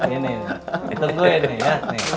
ini tungguin ya